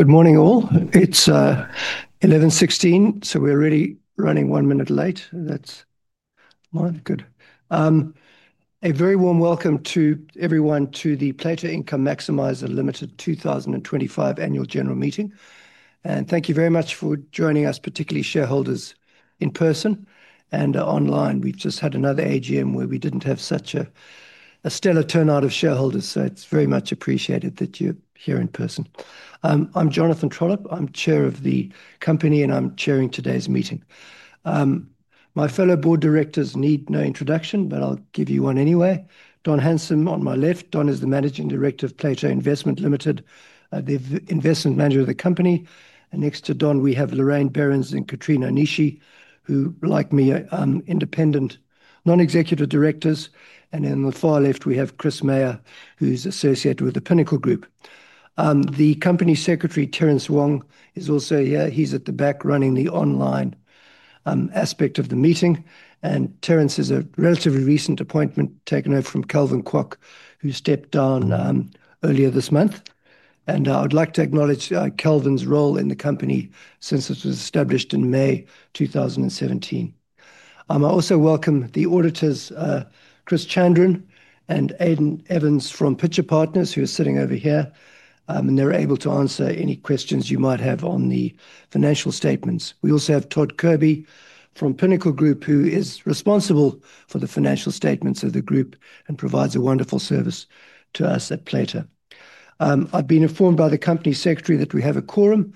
Good morning, all. It's 11:16, so we're already running one minute late. That's fine. Good. A very warm welcome to everyone to the Plato Income Maximiser Limited 2025 Annual General Meeting. Thank you very much for joining us, particularly shareholders in person and online. We've just had another AGM where we didn't have such a stellar turnout of shareholders, so it's very much appreciated that you're here in person. I'm Jonathan Trollip, I'm Chair of the company, and I'm chairing today's meeting. My fellow board directors need no introduction, but I'll give you one anyway. Don Hamson on my left, Don is the Managing Director of Plato Investment Management Limited, the investment manager of the company. Next to Don, we have Lorraine Berends and Katrina Onishi, who, like me, are independent non-executive directors. On the far left, we have Chris Meyer, who's associated with the Pinnacle Group. The Company Secretary, Terence Wong, is also here. He's at the back running the online aspect of the meeting. Terence is a relatively recent appointment, taking over from Calvin Kwok, who stepped down earlier this month. I would like to acknowledge Calvin's role in the company since it was established in May 2017. I also welcome the auditors, Chris Chandran and Aidan Evans from Pitcher Partners, who are sitting over here, and they're able to answer any questions you might have on the financial statements. We also have Todd Kirby from Pinnacle Group, who is responsible for the financial statements of the group and provides a wonderful service to us at Plato. I've been informed by the Company Secretary that we have a quorum,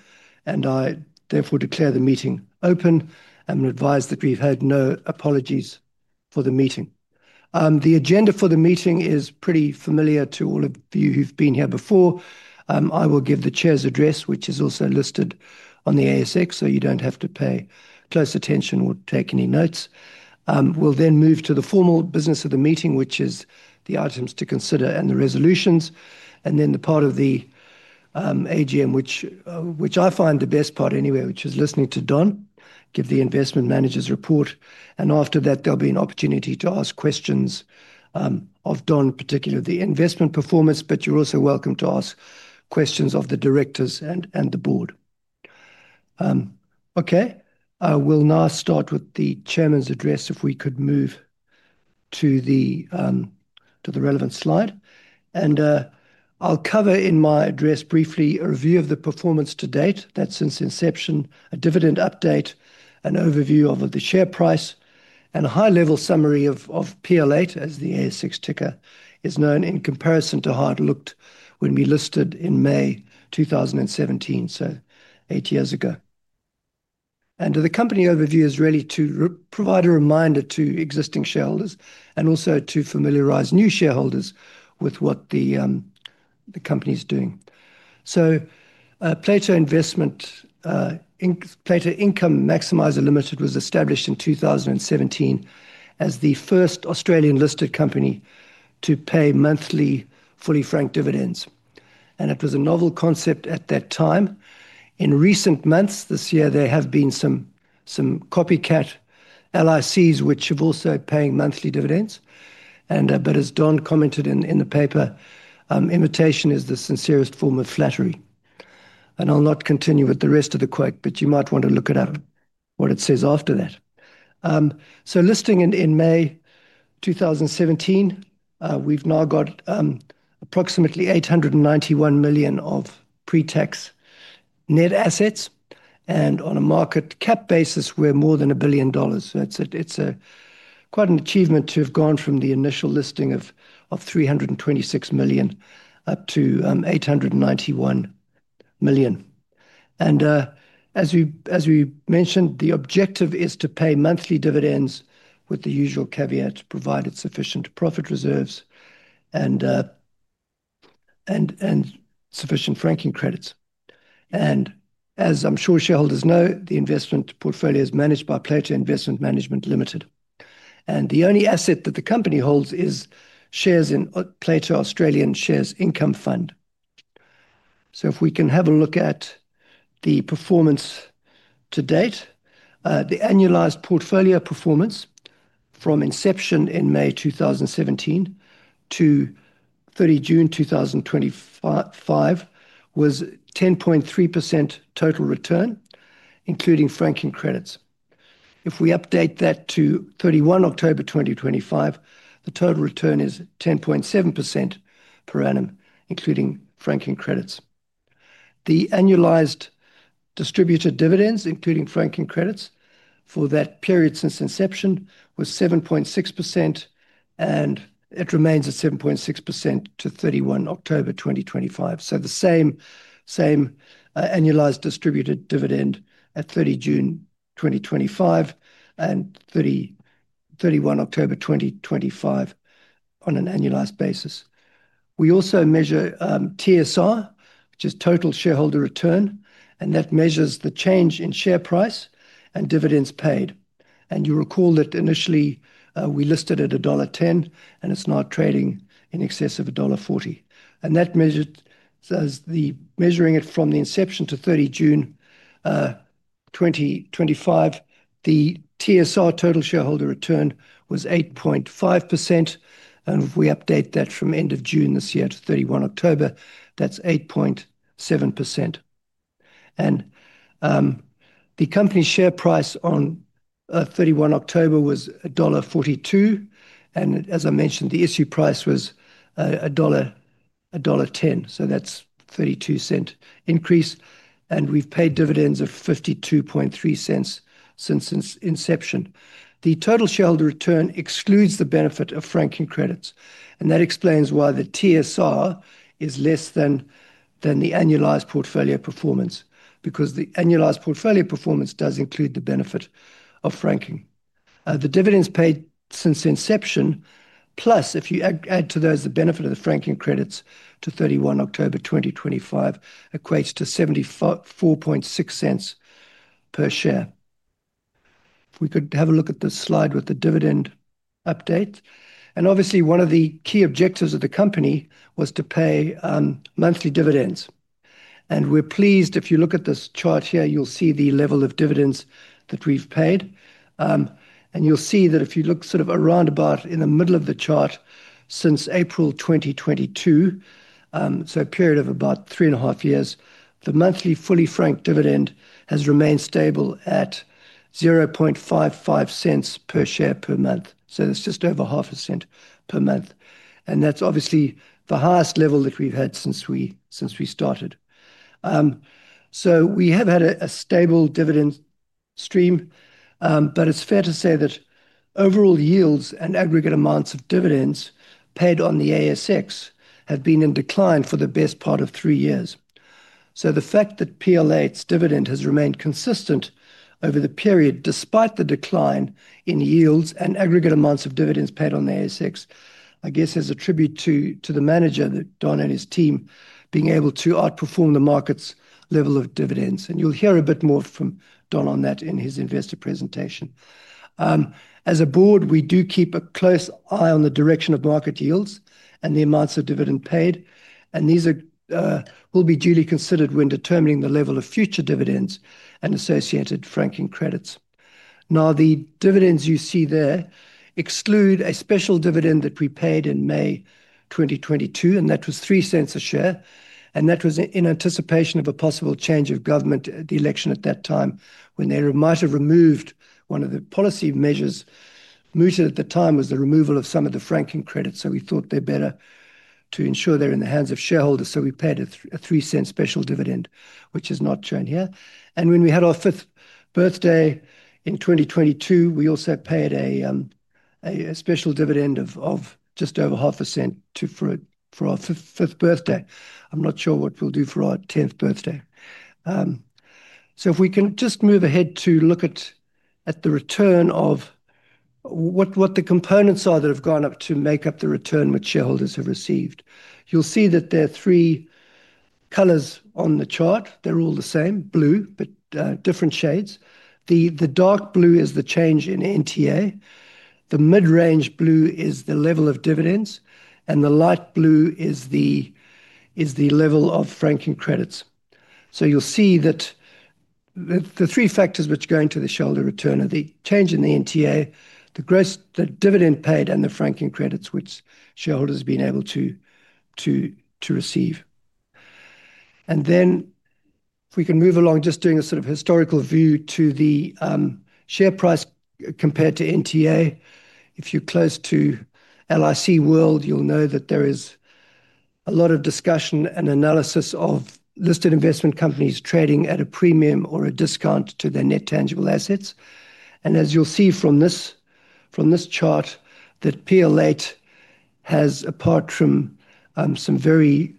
and I therefore declare the meeting open. I'm advised that we've heard no apologies for the meeting. The agenda for the meeting is pretty familiar to all of you who've been here before. I will give the chair's address, which is also listed on the ASX, so you don't have to pay close attention or take any notes. We'll then move to the formal business of the meeting, which is the items to consider and the resolutions. The part of the AGM, which I find the best part anyway, is listening to Don give the investment manager's report. After that, there'll be an opportunity to ask questions of Don, particularly the investment performance, but you're also welcome to ask questions of the directors and the board. Okay, I will now start with the chairman's address if we could move to the relevant slide. I'll cover in my address briefly a review of the performance to date, that's since inception, a dividend update, an overview of the share price, and a high-level summary of PL8, as the ASX ticker is known, in comparison to how it looked when we listed in May 2017, so eight years ago. The company overview is really to provide a reminder to existing shareholders and also to familiarise new shareholders with what the company is doing. Plato Income Maximiser Limited was established in 2017 as the first Australian-listed company to pay monthly fully-franked dividends. It was a novel concept at that time. In recent months this year, there have been some copycat LICs which have also been paying monthly dividends. As Don commented in the paper, imitation is the sincerest form of flattery. I'll not continue with the rest of the quote, but you might want to look at what it says after that. Listing in May 2017, we've now got approximately 891 million of pre-tax net assets. On a market cap basis, we're more than 1 billion dollars. It's quite an achievement to have gone from the initial listing of 326 million up to 891 million. As we mentioned, the objective is to pay monthly dividends with the usual caveat to provide sufficient profit reserves and sufficient franking credits. As I'm sure shareholders know, the investment portfolio is managed by Plato Investment Management Limited. The only asset that the company holds is shares in Plato Australian Shares Income Fund. If we can have a look at the performance to date, the annualized portfolio performance from inception in May 2017 to 30 June 2025 was 10.3% total return, including franking credits. If we update that to 31 October 2025, the total return is 10.7% per annum, including franking credits. The annualized distributed dividends, including franking credits for that period since inception, was 7.6%, and it remains at 7.6% to 31 October 2025. The same annualized distributed dividend at 30 June 2025 and 31 October 2025 on an annualized basis. We also measure TSR, which is total shareholder return, and that measures the change in share price and dividends paid. You'll recall that initially we listed at dollar 10, and it's now trading in excess of dollar 40. Measuring it from the inception to 30 June 2025, the TSR total shareholder return was 8.5%. If we update that from end of June this year to 31 October, that's 8.7%. The company's share price on 31 October was dollar 42. As I mentioned, the issue price was dollar 10, so that's 32 cents increase. We've paid dividends of 523 since inception. The total shareholder return excludes the benefit of franking credits. That explains why the TSR is less than the annualized portfolio performance, because the annualized portfolio performance does include the benefit of franking. The dividends paid since inception, plus if you add to those the benefit of the franking credits to 31 October 2025, equates to 74.6 cents per share. If we could have a look at the slide with the dividend updates. Obviously, one of the key objectives of the company was to pay monthly dividends. We're pleased if you look at this chart here, you'll see the level of dividends that we've paid. You'll see that if you look sort of around about in the middle of the chart since April 2022, so a period of about three and a half years, the monthly fully-franked dividend has remained stable at 0.0055 per share per month. That's just over half a cent per month. That's obviously the highest level that we've had since we started. We have had a stable dividend stream, but it's fair to say that overall yields and aggregate amounts of dividends paid on the ASX have been in decline for the best part of three years. The fact that PL8's dividend has remained consistent over the period, despite the decline in yields and aggregate amounts of dividends paid on the ASX, I guess is a tribute to the manager, Don and his team, being able to outperform the market's level of dividends. You will hear a bit more from Don on that in his investor presentation. As a board, we do keep a close eye on the direction of market yields and the amounts of dividend paid. These will be duly considered when determining the level of future dividends and associated franking credits. The dividends you see there exclude a special dividend that we paid in May 2022, and that was 0.03 a share. That was in anticipation of a possible change of government, the election at that time, when they might have removed one of the policy measures. Mooted at the time was the removal of some of the franking credits. We thought they're better to ensure they're in the hands of shareholders. We paid a 0.03 special dividend, which is not shown here. When we had our fifth birthday in 2022, we also paid a special dividend of just over AUD 0.005 for our fifth birthday. I'm not sure what we'll do for our tenth birthday. If we can just move ahead to look at the return of what the components are that have gone up to make up the return which shareholders have received. You'll see that there are three colors on the chart. They're all the same, blue, but different shades. The dark blue is the change in NTA. The mid-range blue is the level of dividends, and the light blue is the level of franking credits. You'll see that the three factors which go into the shareholder return are the change in the NTA, the dividend paid, and the franking credits which shareholders have been able to receive. If we can move along, just doing a sort of historical view to the share price compared to NTA. If you're close to LIC World, you'll know that there is a lot of discussion and analysis of listed investment companies trading at a premium or a discount to their net tangible assets. As you'll see from this chart, PL8 has, apart from some very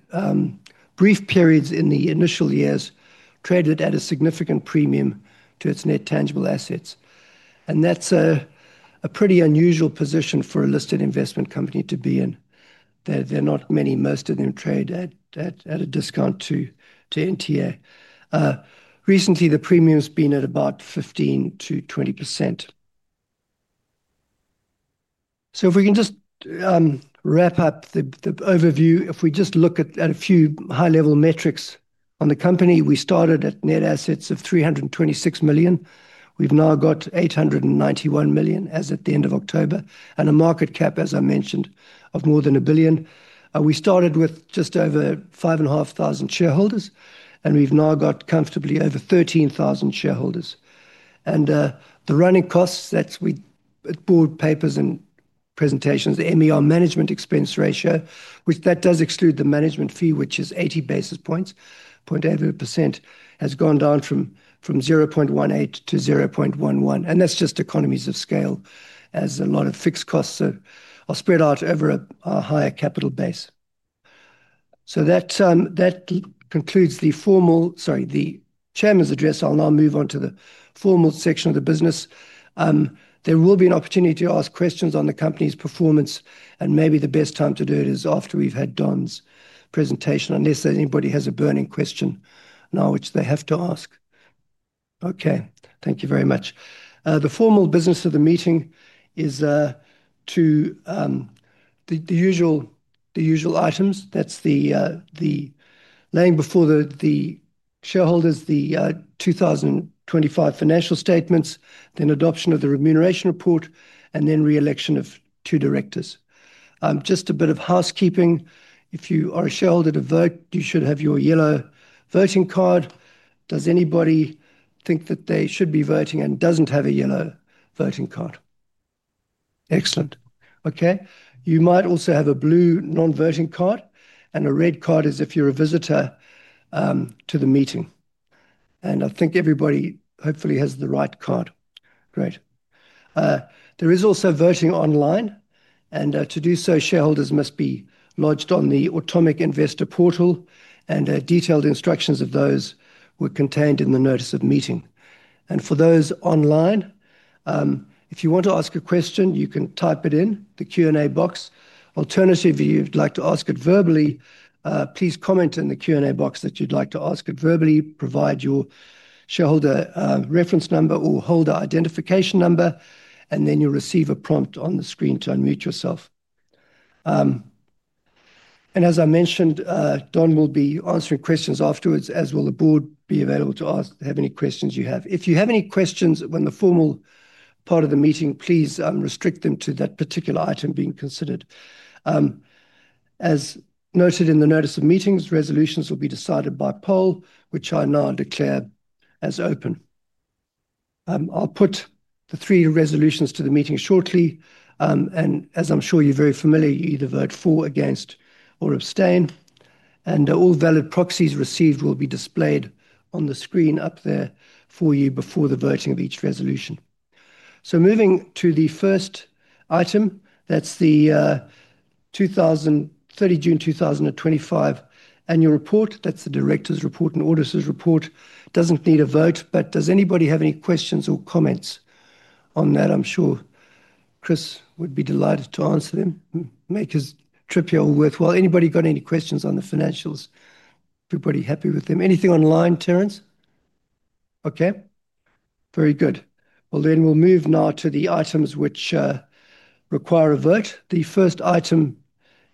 brief periods in the initial years, traded at a significant premium to its net tangible assets. That's a pretty unusual position for a listed investment company to be in. There are not many; most of them trade at a discount to NTA. Recently, the premium's been at about 15%-20%. If we can just wrap up the overview, if we just look at a few high-level metrics on the company, we started at net assets of 326 million. We've now got 891 million as at the end of October, and a market cap, as I mentioned, of more than 1 billion. We started with just over 5,500 shareholders, and we've now got comfortably over 13,000 shareholders. The running costs, that's at board papers and presentations, the MER management expense ratio, which does exclude the management fee, which is 80 basis points, 0.80%, has gone down from 0.18% to 0.11%. That's just economies of scale, as a lot of fixed costs are spread out over a higher capital base. That concludes the formal, sorry, the chairman's address. I'll now move on to the formal section of the business. There will be an opportunity to ask questions on the company's performance, and maybe the best time to do it is after we've had Don's presentation, unless anybody has a burning question now which they have to ask. Okay, thank you very much. The formal business of the meeting is the usual items. That's laying before the shareholders the 2025 financial statements, then adoption of the remuneration report, and then re-election of two directors. Just a bit of housekeeping. If you are a shareholder to vote, you should have your yellow voting card. Does anybody think that they should be voting and doesn't have a yellow voting card? Excellent. Okay. You might also have a blue non-voting card, and a red card is if you're a visitor to the meeting. I think everybody hopefully has the right card. Great. There is also voting online, and to do so, shareholders must be lodged on the Automic Investor Portal, and detailed instructions of those were contained in the notice of meeting. If you want to ask a question online, you can type it in the Q&A box. Alternatively, if you'd like to ask it verbally, please comment in the Q&A box that you'd like to ask it verbally, provide your shareholder reference number or holder identification number, and then you'll receive a prompt on the screen to unmute yourself. As I mentioned, Don will be answering questions afterwards, as will the board be available to answer any questions you have. If you have any questions when the formal part of the meeting, please restrict them to that particular item being considered. As noted in the notice of meetings, resolutions will be decided by poll, which I now declare as open. I'll put the three resolutions to the meeting shortly. As I'm sure you're very familiar, you either vote for, against, or abstain. All valid proxies received will be displayed on the screen up there for you before the voting of each resolution. Moving to the first item, that's the 30 June 2025 annual report. That's the director's report and auditor's report. Doesn't need a vote, but does anybody have any questions or comments on that? I'm sure Chris would be delighted to answer them. Make his trip here all worthwhile. Anybody got any questions on the financials? Everybody happy with them? Anything online, Terence? Okay. Very good. We will move now to the items which require a vote. The first item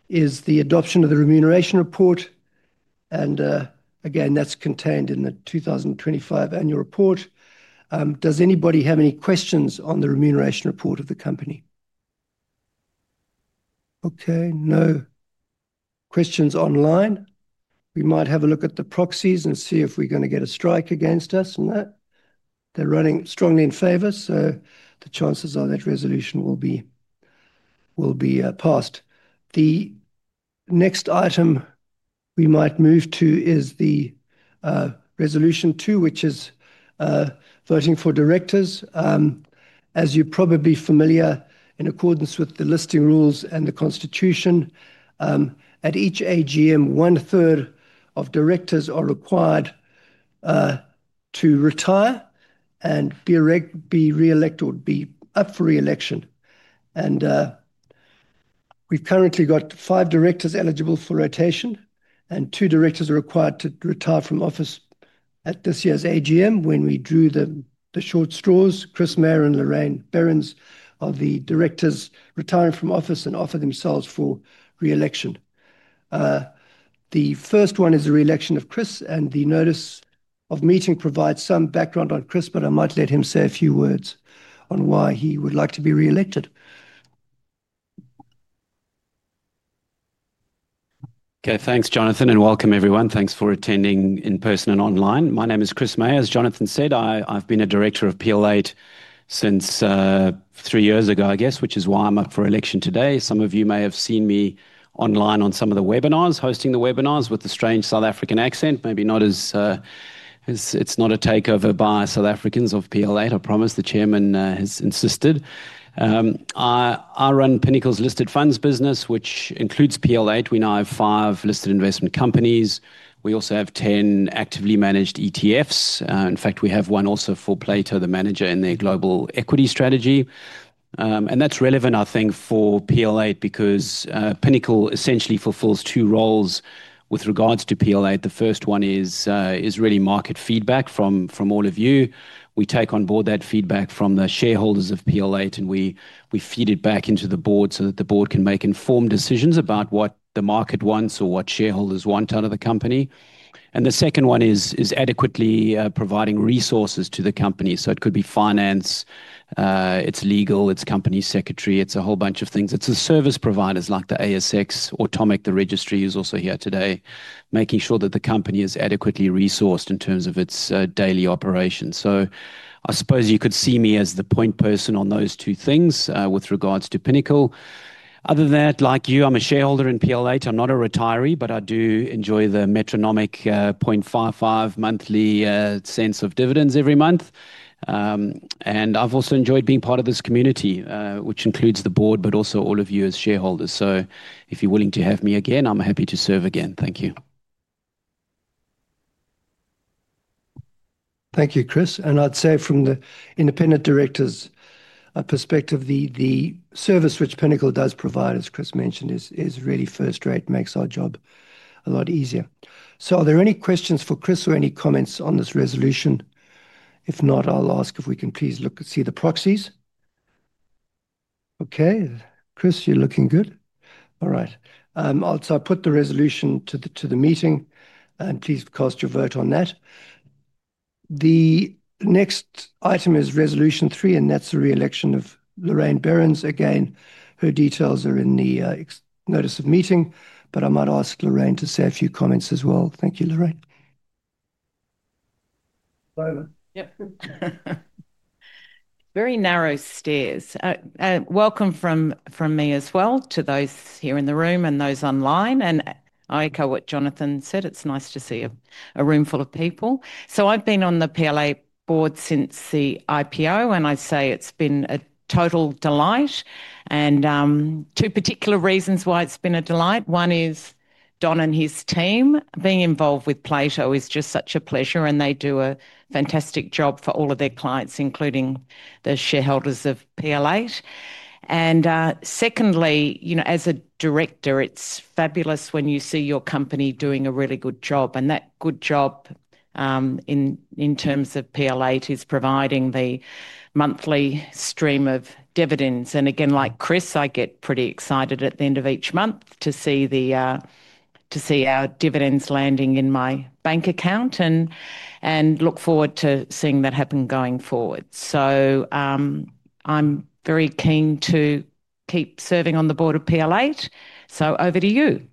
is the adoption of the remuneration report. And again, that's contained in the 2025 annual report. Does anybody have any questions on the remuneration report of the company? Okay. No questions online. We might have a look at the proxies and see if we're going to get a strike against us and that. They're running strongly in favor, so the chances are that resolution will be passed. The next item we might move to is the resolution two, which is voting for directors. As you're probably familiar, in accordance with the listing rules and the constitution, at each AGM, one third of directors are required to retire and be re-elected or be up for re-election. And we've currently got five directors eligible for rotation, and two directors are required to retire from office at this year's AGM. When we drew the short straws, Chris Meyer and Lorraine Berends are the directors retiring from office and offer themselves for re-election. The first one is the re-election of Chris, and the notice of meeting provides some background on Chris, but I might let him say a few words on why he would like to be re-elected. Okay, thanks, Jonathan, and welcome everyone. Thanks for attending in person and online. My name is Chris Meyer. As Jonathan said, I've been a director of PL8 since three years ago, I guess, which is why I'm up for election today. Some of you may have seen me online on some of the webinars, hosting the webinars with the strange South African accent. Maybe not as it's not a takeover by South Africans of PL8, I promise. The Chairman has insisted. I run Pinnacle's listed funds business, which includes PL8. We now have five listed investment companies. We also have ten actively managed ETFs. In fact, we have one also for Plato, the manager in their global equity strategy. That is relevant, I think, for PL8 because Pinnacle essentially fulfills two roles with regards to PL8. The first one is really market feedback from all of you. We take on board that feedback from the shareholders of PL8, and we feed it back into the board so that the board can make informed decisions about what the market wants or what shareholders want out of the company. The second one is adequately providing resources to the company. It could be finance, it is legal, it is company secretary, it is a whole bunch of things. It's the service providers like the ASX, Automic, the registry is also here today, making sure that the company is adequately resourced in terms of its daily operations. I suppose you could see me as the point person on those two things with regards to Pinnacle. Other than that, like you, I'm a shareholder in PL8. I'm not a retiree, but I do enjoy the metronomic 0.055 monthly sense of dividends every month. I've also enjoyed being part of this community, which includes the board, but also all of you as shareholders. If you're willing to have me again, I'm happy to serve again. Thank you. Thank you, Chris. I'd say from the independent directors' perspective, the service which Pinnacle does provide, as Chris mentioned, is really first rate, makes our job a lot easier. Are there any questions for Chris or any comments on this resolution? If not, I'll ask if we can please look and see the proxies. Okay. Chris, you're looking good. All right. I'll put the resolution to the meeting, and please cast your vote on that. The next item is resolution three, and that's the re-election of Lorraine Berends. Again, her details are in the notice of meeting, but I might ask Lorraine to say a few comments as well. Thank you, Lorraine. Yep. Very narrow stairs. Welcome from me as well to those here in the room and those online. I echo what Jonathan said. It's nice to see a room full of people. I've been on the PL8 board since the IPO, and I say it's been a total delight. Two particular reasons why it's been a delight. One is Don and his team. Being involved with Plato is just such a pleasure, and they do a fantastic job for all of their clients, including the shareholders of PL8. Secondly, as a director, it's fabulous when you see your company doing a really good job. That good job in terms of PL8 is providing the monthly stream of dividends. Again, like Chris, I get pretty excited at the end of each month to see our dividends landing in my bank account and look forward to seeing that happen going forward. I'm very keen to keep serving on the board of PL8. Over to you.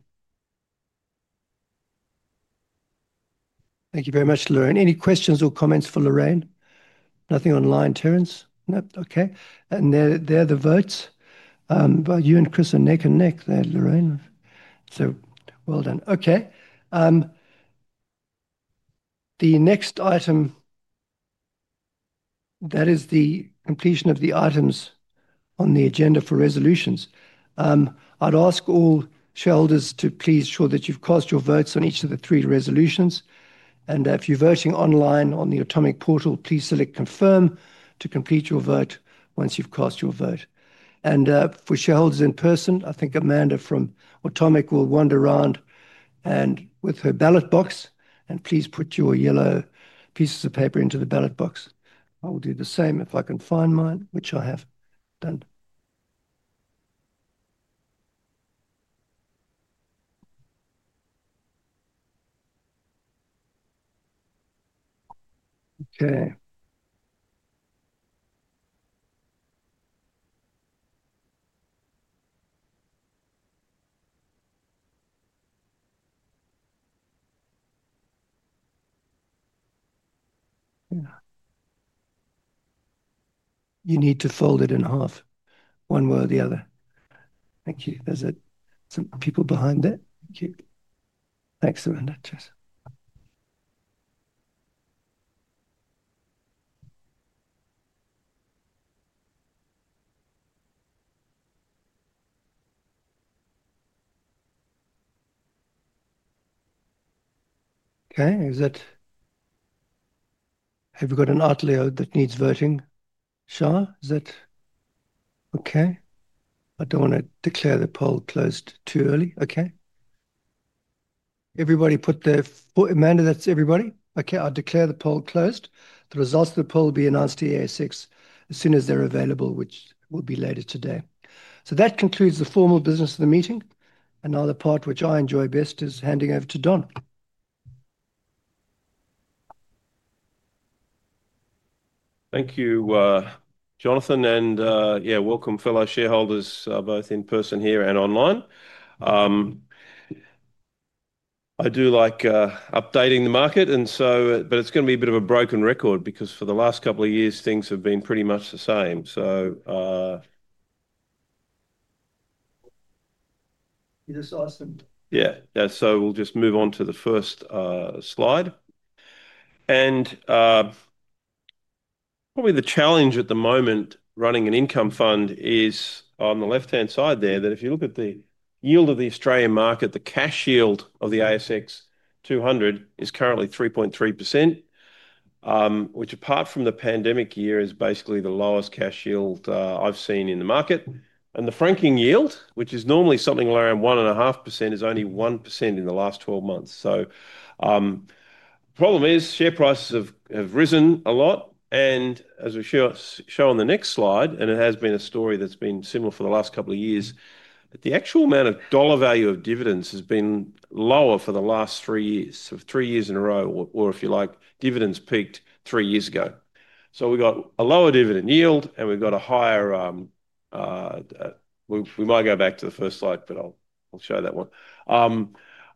Thank you very much, Lorraine. Any questions or comments for Lorraine? Nothing online, Terence? Nope. Okay. There are the votes. You and Chris are neck and neck there, Lorraine. Well done. Okay. The next item, that is the completion of the items on the agenda for resolutions. I'd ask all shareholders to please ensure that you've cast your votes on each of the three resolutions. If you're voting online on the Automic portal, please select Confirm to complete your vote once you've cast your vote. For shareholders in person, I think Amanda from Automic will wander around with her ballot box and please put your yellow pieces of paper into the ballot box. I will do the same if I can find mine, which I have done. Okay. You need to fold it in half, one way or the other. Thank you. There are some people behind there. Thank you. Thanks, Amanda. Okay. Have you got an Atlio that needs voting? Sure. Is that okay? I don't want to declare the poll closed too early. Okay. Everybody put their foot. Amanda, that's everybody. Okay. I'll declare the poll closed. The results of the poll will be announced to the ASX as soon as they're available, which will be later today. That concludes the formal business of the meeting. Now the part which I enjoy best is handing over to Don. Thank you, Jonathan. Yeah, welcome, fellow shareholders, both in person here and online. I do like updating the market, but it's going to be a bit of a broken record because for the last couple of years, things have been pretty much the same. This is awesome. Yeah. We'll just move on to the first slide. Probably the challenge at the moment running an income fund is on the left-hand side there that if you look at the yield of the Australian market, the cash yield of the ASX 200 is currently 3.3%, which apart from the pandemic year is basically the lowest cash yield I've seen in the market. The franking yield, which is normally something around 1.5%, is only 1% in the last 12 months. The problem is share prices have risen a lot. As we'll show on the next slide, and it has been a story that's been similar for the last couple of years, the actual amount of dollar value of dividends has been lower for the last three years, three years in a row, or if you like, dividends peaked three years ago. We have got a lower dividend yield, and we have got a higher—we might go back to the first slide, but I will show that one.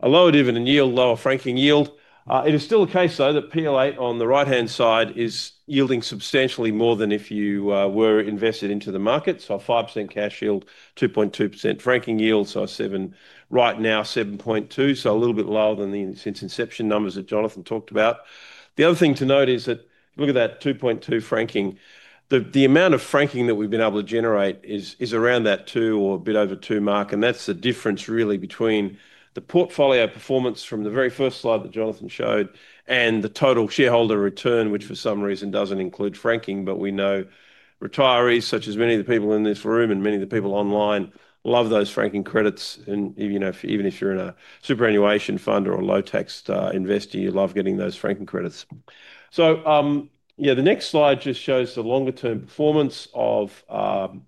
A lower dividend yield, lower franking yield. It is still the case, though, that PL8 on the right-hand side is yielding substantially more than if you were invested into the market. A 5% cash yield, 2.2% franking yield. Right now, 7.2%. A little bit lower than the since inception numbers that Jonathan talked about. The other thing to note is that if you look at that 2.2% franking, the amount of franking that we have been able to generate is around that two or a bit over two mark. That is the difference really between the portfolio performance from the very first slide that Jonathan showed and the total shareholder return, which for some reason does not include franking. We know retirees, such as many of the people in this room and many of the people online, love those franking credits. Even if you are in a superannuation fund or a low-tax investor, you love getting those franking credits. The next slide just shows the longer-term performance of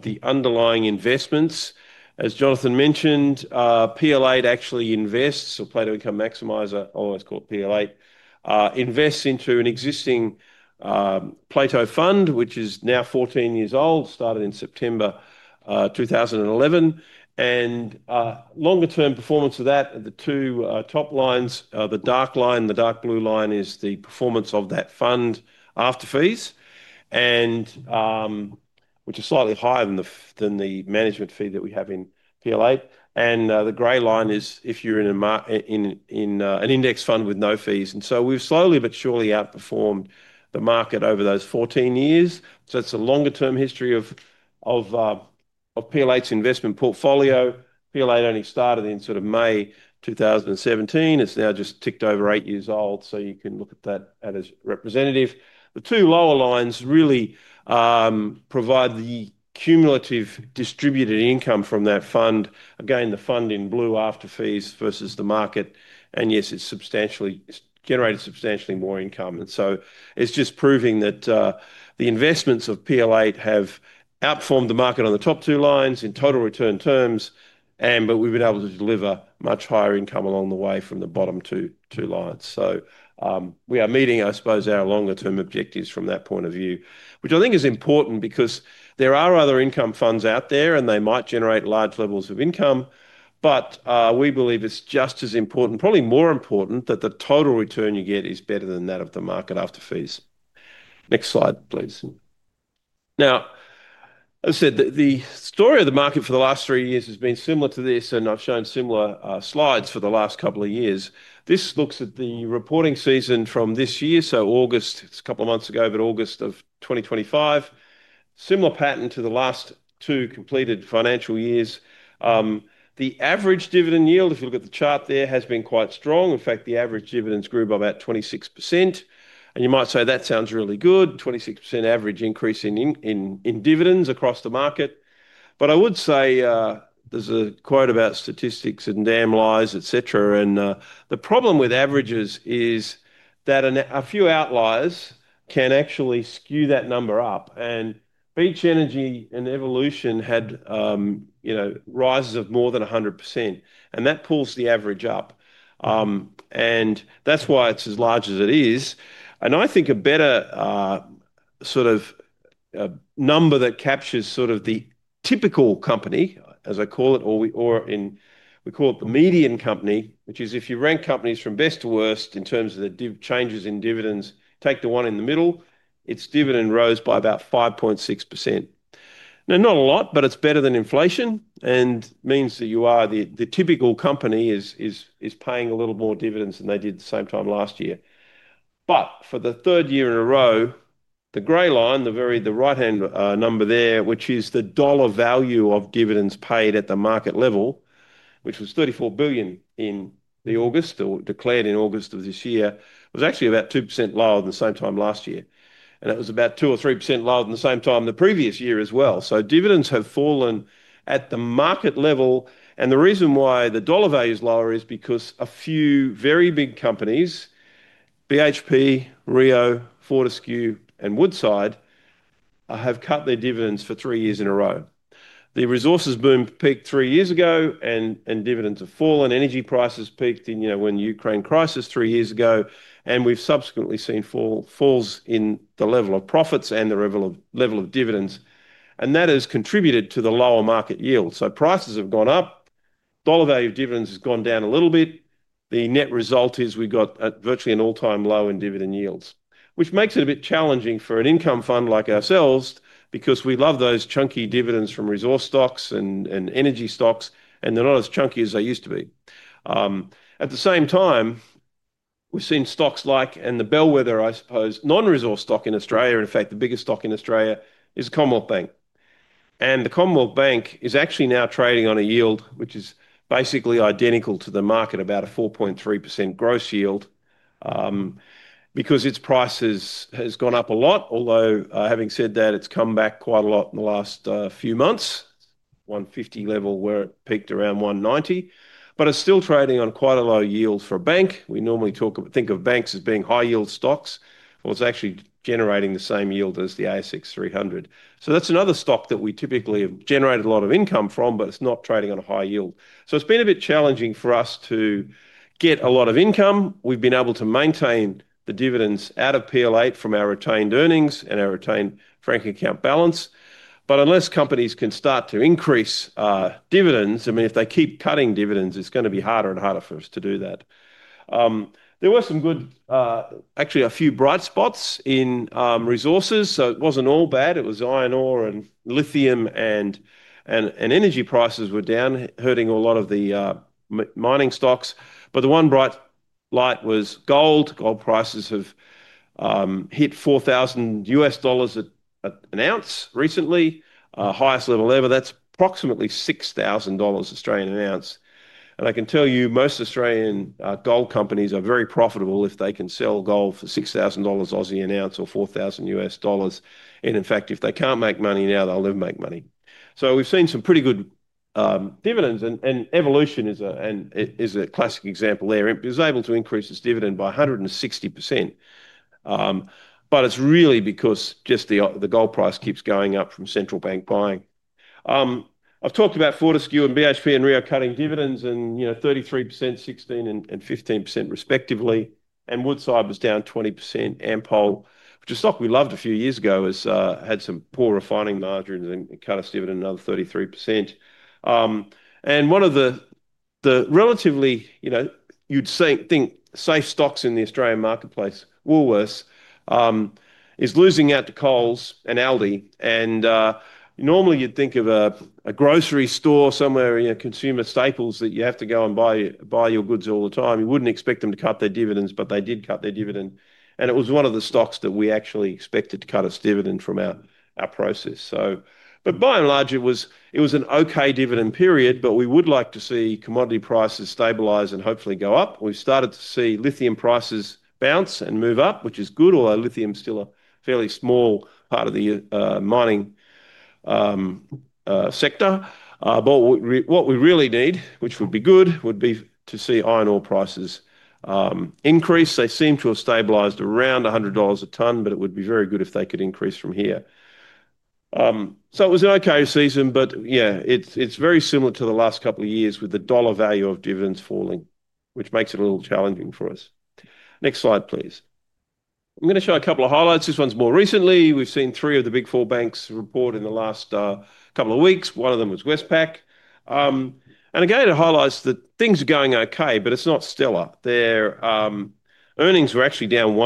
the underlying investments. As Jonathan mentioned, PL8 actually invests, or Plato Income Maximiser, or it is called PL8, invests into an existing Plato fund, which is now 14 years old, started in September 2011. Longer-term performance of that, the two top lines, the dark line and the dark blue line, is the performance of that fund after fees, which are slightly higher than the management fee that we have in PL8. The gray line is if you are in an index fund with no fees. We have slowly but surely outperformed the market over those 14 years. It's a longer-term history of PL8's investment portfolio. PL8 only started in sort of May 2017. It's now just ticked over eight years old, so you can look at that as representative. The two lower lines really provide the cumulative distributed income from that fund. Again, the fund in blue after fees versus the market. Yes, it's generated substantially more income. It's just proving that the investments of PL8 have outperformed the market on the top two lines in total return terms, but we've been able to deliver much higher income along the way from the bottom two lines. We are meeting, I suppose, our longer-term objectives from that point of view, which I think is important because there are other income funds out there, and they might generate large levels of income. But we believe it's just as important, probably more important, that the total return you get is better than that of the market after fees. Next slide, please. Now, as I said, the story of the market for the last three years has been similar to this, and I've shown similar slides for the last couple of years. This looks at the reporting season from this year, so August. It's a couple of months ago, but August of 2025. Similar pattern to the last two completed financial years. The average dividend yield, if you look at the chart there, has been quite strong. In fact, the average dividends grew by about 26%. And you might say that sounds really good, 26% average increase in dividends across the market. But I would say there's a quote about statistics and damn lies, etc. The problem with averages is that a few outliers can actually skew that number up. Beach Energy and Evolution had rises of more than 100%, and that pulls the average up. That is why it is as large as it is. I think a better sort of number that captures sort of the typical company, as I call it, or we call it the median company, which is if you rank companies from best to worst in terms of the changes in dividends, take the one in the middle, its dividend rose by about 5.6%. Not a lot, but it is better than inflation and means that the typical company is paying a little more dividends than they did the same time last year. For the third year in a row, the gray line, the right-hand number there, which is the dollar value of dividends paid at the market level, which was AUD 34 billion in August, or declared in August of this year, was actually about 2% lower than the same time last year. It was about 2-3% lower than the same time the previous year as well. Dividends have fallen at the market level. The reason why the dollar value is lower is because a few very big companies, BHP, Rio, Fortescue, and Woodside, have cut their dividends for three years in a row. The resources boom peaked three years ago, and dividends have fallen. Energy prices peaked when the Ukraine crisis started three years ago, and we've subsequently seen falls in the level of profits and the level of dividends. That has contributed to the lower market yield. Prices have gone up. Dollar value of dividends has gone down a little bit. The net result is we have got virtually an all-time low in dividend yields, which makes it a bit challenging for an income fund like ourselves because we love those chunky dividends from resource stocks and energy stocks, and they are not as chunky as they used to be. At the same time, we have seen stocks like, and the bellwether, I suppose, non-resource stock in Australia, in fact, the biggest stock in Australia is Common Bank. The Common Bank is actually now trading on a yield which is basically identical to the market, about a 4.3% gross yield because its price has gone up a lot, although having said that, it has come back quite a lot in the last few months, 150 level where it peaked around 190, but it is still trading on quite a low yield for a bank. We normally think of banks as being high-yield stocks, but it is actually generating the same yield as the ASX 300. That is another stock that we typically have generated a lot of income from, but it is not trading on a high yield. It has been a bit challenging for us to get a lot of income. We have been able to maintain the dividends out of PL8 from our retained earnings and our retained franking account balance. Unless companies can start to increase dividends, I mean, if they keep cutting dividends, it's going to be harder and harder for us to do that. There were some good, actually a few bright spots in resources. It was not all bad. It was iron ore and lithium, and energy prices were down, hurting a lot of the mining stocks. The one bright light was gold. Gold prices have hit $4,000 an ounce recently, highest level ever. That's approximately 6,000 Australian dollars an ounce. I can tell you most Australian gold companies are very profitable if they can sell gold for 6,000 Aussie dollars an ounce or $4,000. In fact, if they can't make money now, they'll never make money. We've seen some pretty good dividends, and Evolution is a classic example there. It was able to increase its dividend by 160%. It is really because just the gold price keeps going up from central bank buying. I have talked about Fortescue and BHP and Rio cutting dividends and 33%, 16%, and 15% respectively. Woodside was down 20%. AmPol, which is a stock we loved a few years ago, had some poor refining margins and cut its dividend another 33%. One of the relatively, you would think, safe stocks in the Australian Marketplace, Woolworths, is losing out to Coles and Aldi. Normally you would think of a grocery store somewhere in consumer staples that you have to go and buy your goods all the time. You would not expect them to cut their dividends, but they did cut their dividend. It was one of the stocks that we actually expected to cut its dividend from our process. By and large, it was an okay dividend period, but we would like to see commodity prices stabilize and hopefully go up. We've started to see lithium prices bounce and move up, which is good, although lithium is still a fairly small part of the mining sector. What we really need, which would be good, would be to see Iron ore prices increase. They seem to have stabilized around 100 dollars a ton, but it would be very good if they could increase from here. It was an okay season, but yeah, it's very similar to the last couple of years with the dollar value of dividends falling, which makes it a little challenging for us. Next slide, please. I'm going to show a couple of highlights. This one's more recently. We've seen three of the big four banks report in the last couple of weeks. One of them was Westpac. Again, it highlights that things are going okay, but it's not stellar. Their earnings were actually down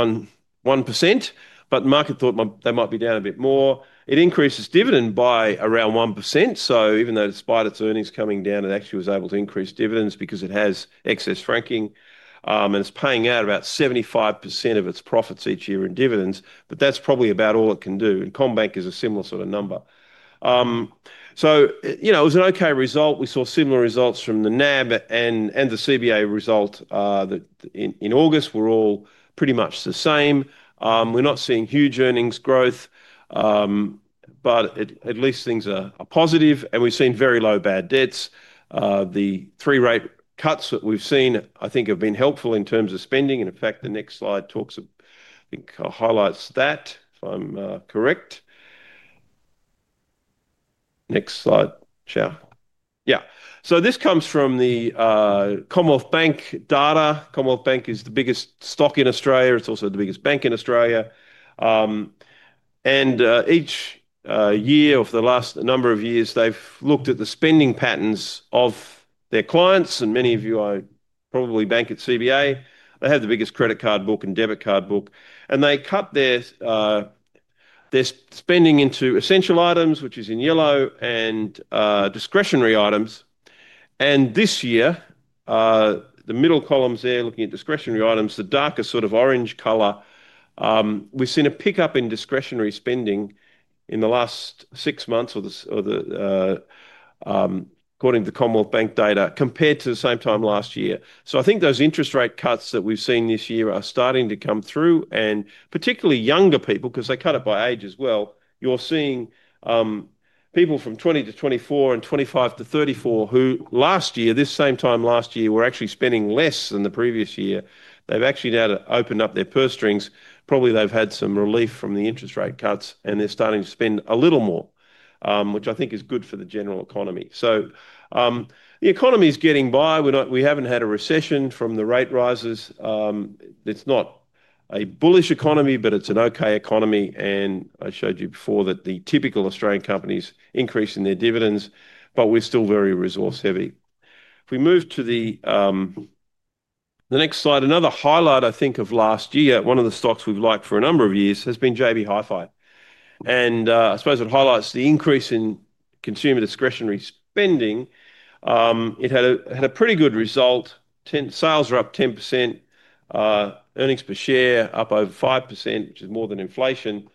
1%, but the market thought they might be down a bit more. It increased its dividend by around 1%. Even though despite its earnings coming down, it actually was able to increase dividends because it has excess franking and is paying out about 75% of its profits each year in dividends. That's probably about all it can do. Common Bank is a similar sort of number. It was an okay result. We saw similar results from the NAB and the CBA result in August were all pretty much the same. We're not seeing huge earnings growth, at least things are positive. We've seen very low bad debts. The three rate cuts that we've seen, I think, have been helpful in terms of spending. In fact, the next slide talks of, I think, highlights that, if I'm correct. Next slide, shall I? Yeah. This comes from the Common Bank data. Common Bank is the biggest stock in Australia. It's also the biggest bank in Australia. Each year of the last number of years, they've looked at the spending patterns of their clients. Many of you probably bank at CBA. They have the biggest credit card book and debit card book. They cut their spending into essential items, which is in yellow, and discretionary items. This year, the middle columns there, looking at discretionary items, the darker sort of orange color, we've seen a pickup in discretionary spending in the last six months, according to the Common Bank data, compared to the same time last year. I think those interest rate cuts that we've seen this year are starting to come through. Particularly younger people, because they cut it by age as well, you're seeing people from 20 to 24 and 25 to 34 who last year, this same time last year, were actually spending less than the previous year. They've actually now opened up their purse strings. Probably they've had some relief from the interest rate cuts, and they're starting to spend a little more, which I think is good for the general economy. The economy is getting by. We haven't had a recession from the rate rises. It's not a bullish economy, but it's an okay economy. I showed you before that the typical Australian companies increase in their dividends, but we're still very resource-heavy. If we move to the next slide, another highlight, I think, of last year, one of the stocks we've liked for a number of years has been JB Hi-Fi. I suppose it highlights the increase in consumer discretionary spending. It had a pretty good result. Sales were up 10%. Earnings per share up over 5%, which is more than inflation.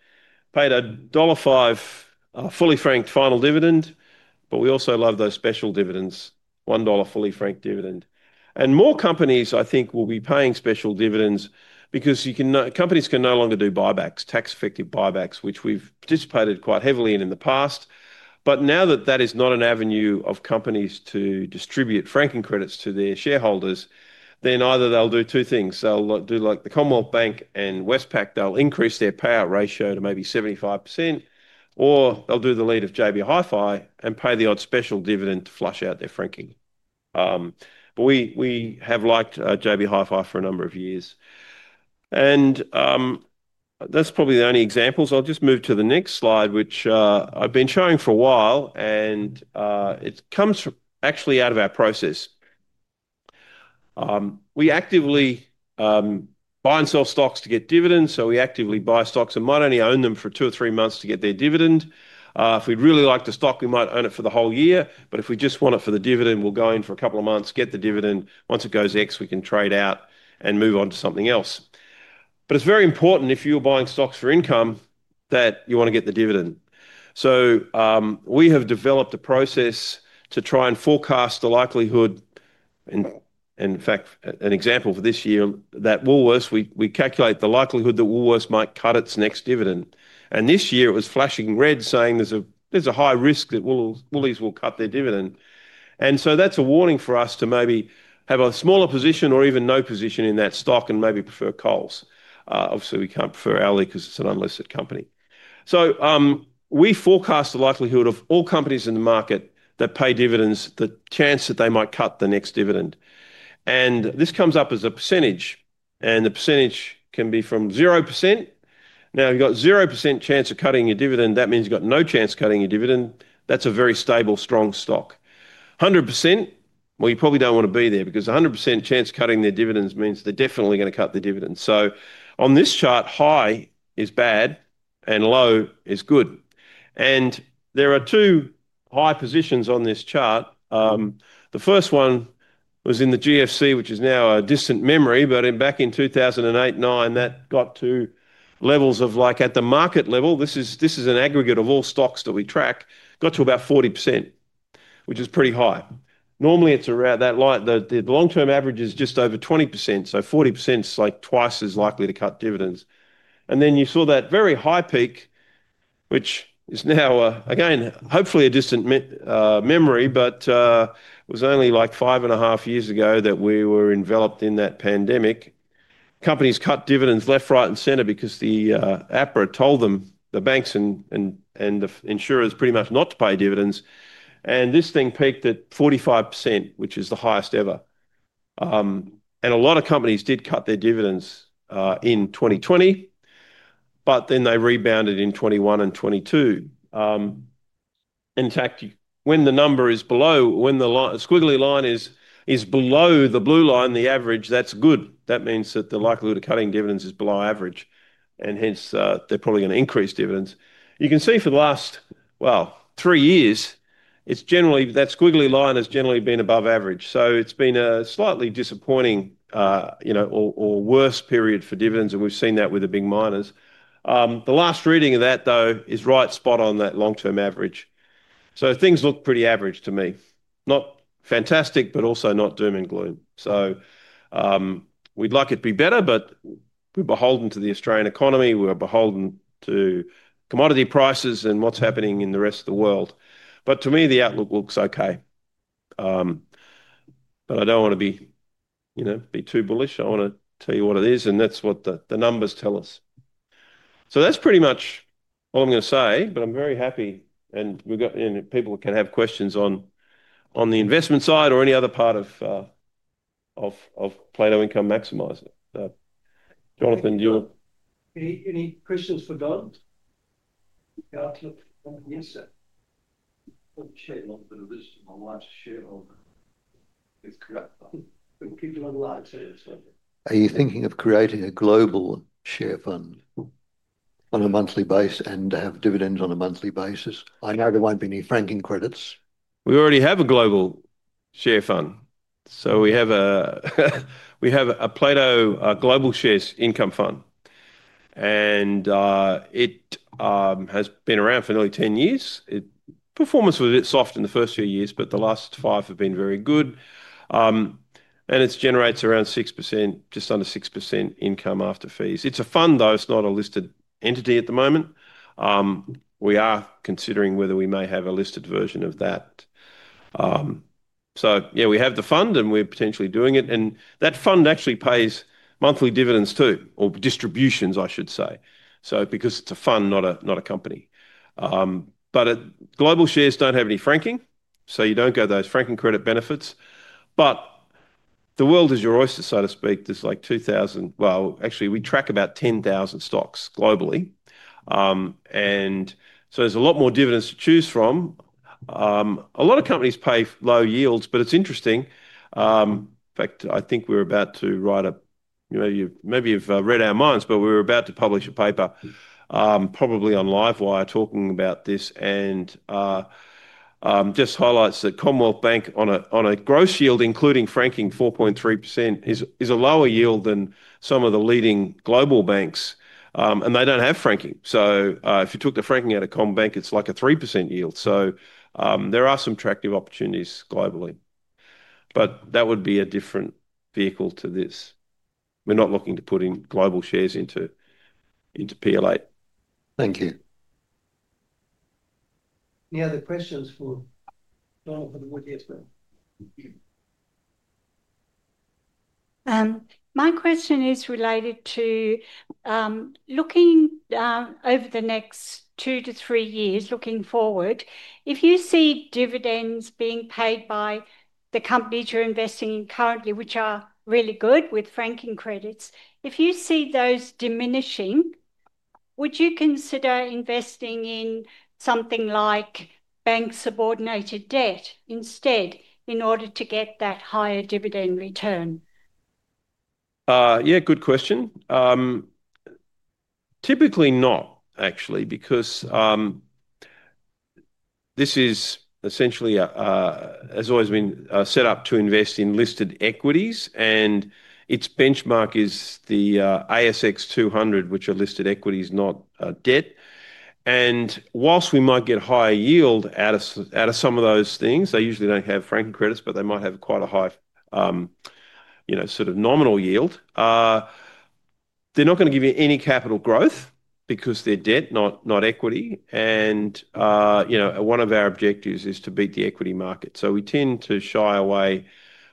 Paid an dollar 1.05 fully franked final dividend, but we also love those special dividends, 1 dollar fully franked dividend. More companies, I think, will be paying special dividends because companies can no longer do buybacks, tax-effective buybacks, which we've participated quite heavily in in the past. Now that that is not an avenue of companies to distribute franking credits to their shareholders, then either they'll do two things. They'll do like the Common Bank and Westpac. They'll increase their payout ratio to maybe 75%, or they'll do the lead of JB Hi-Fi and pay the odd special dividend to flush out their franking. We have liked JB Hi-Fi for a number of years. That's probably the only examples. I'll just move to the next slide, which I've been showing for a while, and it comes actually out of our process. We actively buy and sell stocks to get dividends. We actively buy stocks and might only own them for two or three months to get their dividend. If we'd really like the stock, we might own it for the whole year. If we just want it for the dividend, we'll go in for a couple of months, get the dividend. Once it goes ex, we can trade out and move on to something else. It is very important if you're buying stocks for income that you want to get the dividend. We have developed a process to try and forecast the likelihood. In fact, an example for this year is that Woolworths, we calculate the likelihood that Woolworths might cut its next dividend. This year it was flashing red, saying there's a high risk that Woolworths will cut their dividend. That is a warning for us to maybe have a smaller position or even no position in that stock and maybe prefer Coles. Obviously, we can't prefer Aldi because it's an unlisted company. We forecast the likelihood of all companies in the market that pay dividends, the chance that they might cut the next dividend. This comes up as a percentage. The percentage can be from 0%. If you've got 0% chance of cutting your dividend, that means you've got no chance of cutting your dividend. That's a very stable, strong stock. 100%, you probably don't want to be there because 100% chance of cutting their dividends means they're definitely going to cut their dividends. On this chart, high is bad and low is good. There are two high positions on this chart. The first one was in the GFC, which is now a distant memory. Back in 2008, 2009, that got to levels of like at the market level. This is an aggregate of all stocks that we track. Got to about 40%, which is pretty high. Normally, it's around that, like, the long-term average is just over 20%. So 40% is like twice as likely to cut dividends. You saw that very high peak, which is now, again, hopefully a distant memory, but it was only like five and a half years ago that we were enveloped in that Pandemic. Companies cut dividends left, right, and center because APRA told them, the banks and insurers, pretty much not to pay dividends. This thing peaked at 45%, which is the highest ever. A lot of companies did cut their dividends in 2020, but then they rebounded in 2021 and 2022. In fact, when the number is below, when the squiggly line is below the blue line, the average, that's good. That means that the likelihood of cutting dividends is below average. Hence, they're probably going to increase dividends. You can see for the last three years, that squiggly line has generally been above average. It has been a slightly disappointing or worse period for dividends. We've seen that with the big miners. The last reading of that, though, is right spot on that long-term average. Things look pretty average to me. Not fantastic, but also not doom and gloom. We'd like it to be better, but we're beholden to the Australian Economy. We're beholden to commodity prices and what's happening in the rest of the world. To me, the outlook looks okay. I don't want to be too bullish. I want to tell you what it is. That's what the numbers tell us. That's pretty much all I'm going to say. I'm very happy. People can have questions on the Investment side or any other part of Plato Income Maximiser. Jonathan, you are— Any questions for Don? Are you thinking of creating a global share fund on a monthly base and to have dividends on a monthly basis? I know there will not be any franking credits. We already have a global share fund. We have a Plato Global Shares Income Fund. It has been around for nearly 10 years. Performance was a bit soft in the first few years, but the last five have been very good. It generates around 6%, just under 6% income after fees. It is a fund, though. It is not a listed entity at the moment. We are considering whether we may have a listed version of that. We have the fund and we are potentially doing it. That fund actually pays monthly dividends too, or distributions, I should say, because it's a fund, not a company. Global shares do not have any franking, so you do not get those franking credit benefits. The world is your oyster, so to speak. There are like 2,000—well, actually, we track about 10,000 stocks globally. There are a lot more dividends to choose from. A lot of companies pay low yields, but it is interesting. In fact, I think we are about to write a—maybe you have read our minds, but we were about to publish a paper, probably on Livewire, talking about this. It just highlights that Common Bank, on a gross yield, including franking 4.3%, is a lower yield than some of the leading global banks. They do not have franking. If you took the franking out of Common Bank, it is like a 3% yield. There are some attractive opportunities globally. That would be a different vehicle to this. We are not looking to put in global shares into PL8. Thank you. Any other questions for Don for the floor here today? My question is related to looking over the next two to three years, looking forward, if you see dividends being paid by the companies you are investing in currently, which are really good with franking credits, if you see those diminishing, would you consider investing in something like bank-subordinated debt instead in order to get that higher dividend return? Yeah, good question. Typically not, actually, because this is essentially, has always been set up to invest in listed equities. Its benchmark is the ASX 200, which are listed equities, not debt. Whilst we might get a higher yield out of some of those things, they usually do not have franking credits, but they might have quite a high sort of nominal yield. They are not going to give you any capital growth because they are debt, not equity. One of our objectives is to beat the equity market. We tend to shy away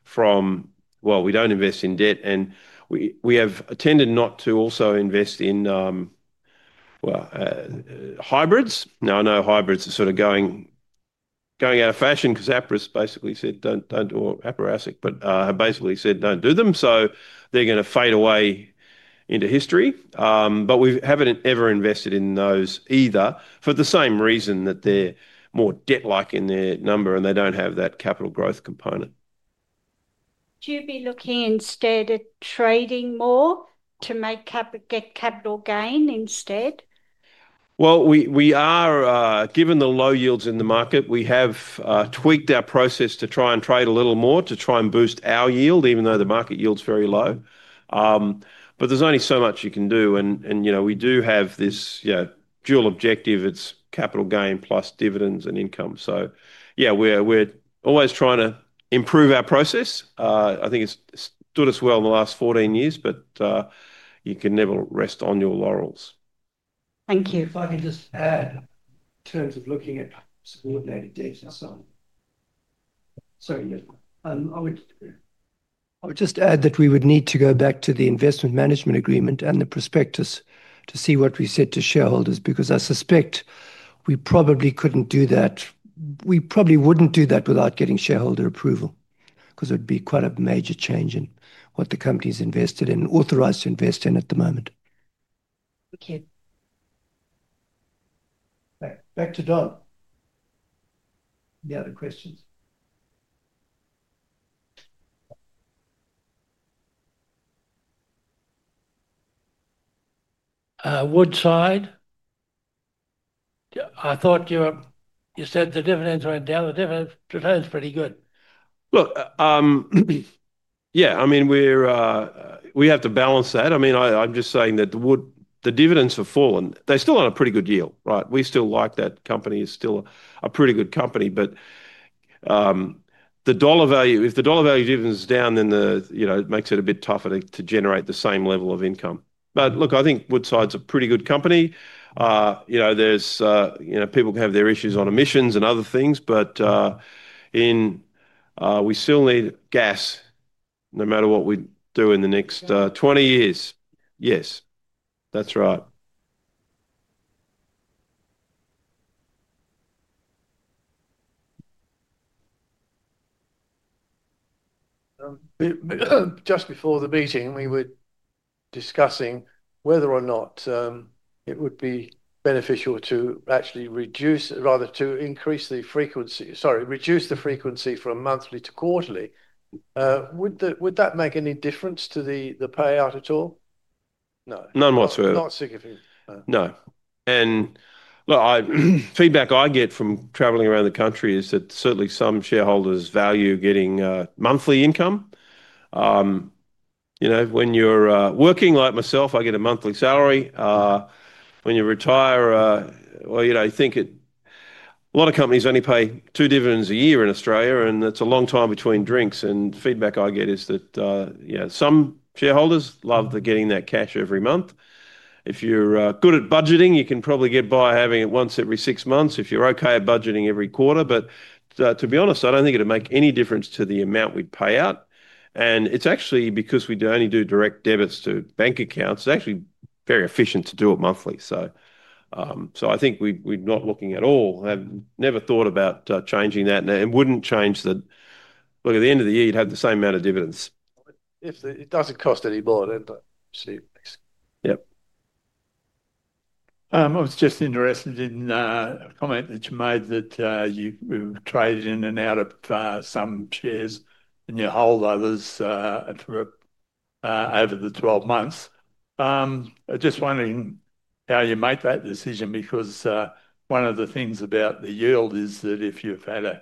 from, well, we do not invest in debt. We have tended not to also invest in, well, hybrids. I know hybrids are sort of going out of fashion because APRA basically said, do not—or APRA, but have basically said, do not do them. They are going to fade away into history. We have not ever invested in those either for the same reason that they are more debt-like in their number and they do not have that capital growth component. Do you be looking instead at trading more to get capital gain instead? Given the low yields in the market, we have tweaked our process to try and trade a little more to try and boost our yield, even though the market yields very low. There is only so much you can do. We do have this dual objective. It is capital gain plus dividends and income. Yeah, we are always trying to improve our process. I think it has stood us well in the last 14 years, but you can never rest on your laurels. Thank you. If I can just add, in terms of looking at subordinated debts and so on. Sorry, Jonathan. I would just add that we would need to go back to the investment management agreement and the prospectus to see what we said to shareholders because I suspect we probably could not do that. We probably wouldn't do that without getting shareholder approval because it would be quite a major change in what the company's invested in and authorized to invest in at the moment. Okay. Back to Don. Any other questions? Woodside. I thought you said the dividends went down. The dividend return's pretty good. Look, yeah, I mean, we have to balance that. I mean, I'm just saying that the dividends have fallen. They're still on a pretty good yield, right? We still like that company. It's still a pretty good company. If the dollar value dividends are down, then it makes it a bit tougher to generate the same level of income. Look, I think Woodside's a pretty good company. People can have their issues on emissions and other things. We still need gas no matter what we do in the next 20 years. Yes, that's right. Just before the meeting, we were discussing whether or not it would be beneficial to actually reduce, rather to increase the frequency, sorry, reduce the frequency from monthly to quarterly. Would that make any difference to the payout at all? No. None whatsoever. Not significant. No. Look, feedback I get from traveling around the country is that certainly some shareholders value getting monthly income. When you're working like myself, I get a monthly salary. When you retire, you think a lot of companies only pay two dividends a year in Australia, and it's a long time between drinks. Feedback I get is that some shareholders love getting that cash every month. If you're good at budgeting, you can probably get by having it once every six months if you're okay at budgeting every quarter. To be honest, I do not think it would make any difference to the amount we pay out. It is actually because we only do direct debits to bank accounts. It is actually very efficient to do it monthly. I think we are not looking at it at all. I have never thought about changing that and would not change it. Look, at the end of the year, you would have the same amount of dividends. It does not cost any more, does it? Yep. I was just interested in a comment that you made that you have traded in and out of some shares and you hold others over the 12 months. I am just wondering how you make that decision because one of the things about the yield is that if you have had a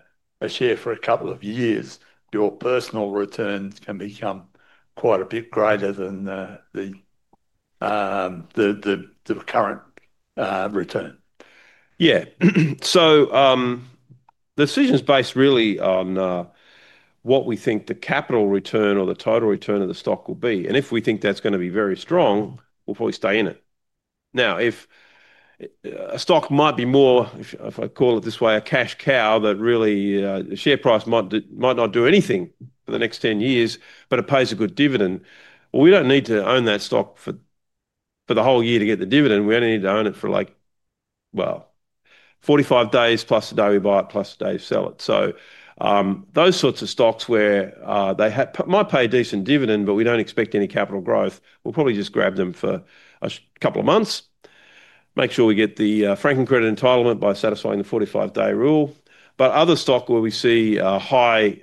share for a couple of years, your personal returns can become quite a bit greater than the current return. Yeah. The decision is based really on what we think the capital return or the total return of the stock will be. If we think that's going to be very strong, we'll probably stay in it. Now, if a stock might be more, if I call it this way, a cash cow that really the share price might not do anything for the next 10 years, but it pays a good dividend, we don't need to own that stock for the whole year to get the dividend. We only need to own it for like, 45 days plus the day we buy it plus the day we sell it. Those sorts of stocks where they might pay a decent dividend, but we do not expect any capital growth, we will probably just grab them for a couple of months, make sure we get the franking credit entitlement by satisfying the 45-day rule. Other stock where we see high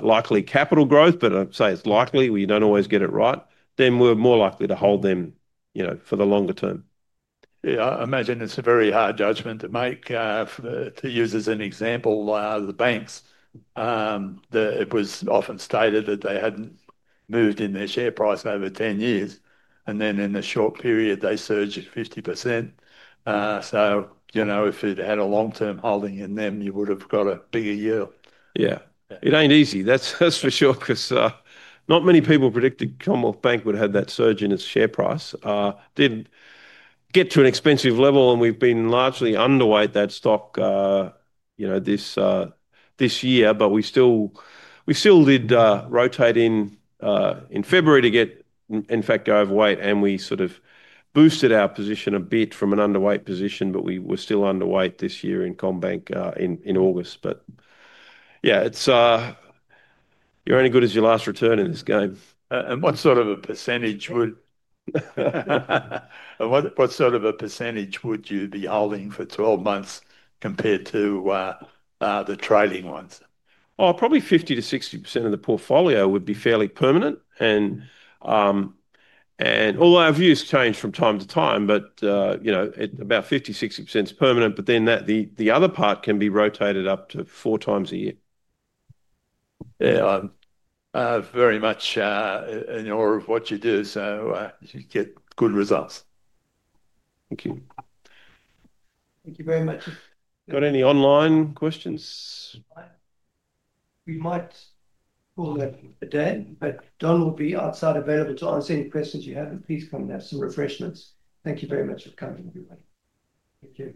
likely capital growth, but I would say it is likely, we do not always get it right, then we are more likely to hold them for the longer term. Yeah, I imagine it is a very hard judgment to make. To use as an example, the banks, it was often stated that they had not moved in their share price over 10 years. In a short period, they surged 50%. If you had a long-term holding in them, you would have got a bigger yield. Yeah. It ain't easy. That's for sure because not many people predicted Common Bank would have that surge in its share price. Didn't get to an expensive level, and we've been largely underweight that stock this year. We still did rotate in February to get, in fact, overweight. We sort of boosted our position a bit from an underweight position, but we were still underweight this year in Common Bank in August. Yeah, you're only good as your last return in this game. What sort of a percentage would you be holding for 12 months compared to the trailing ones? Probably 50-60% of the portfolio would be fairly permanent. Although our views change from time to time, about 50-60% is permanent. The other part can be rotated up to four times a year. Yeah, I'm very much in awe of what you do. So you get good results. Thank you. Thank you very much. Got any online questions? We might call that a day. Don will be outside available to answer any questions you have. Please come and have some refreshments. Thank you very much for coming, everybody. Thank you.